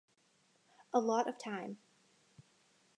A lot of time.